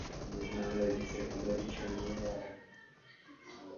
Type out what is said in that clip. Dosud nebyla v úplnosti provedena.